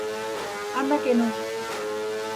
Anda que non!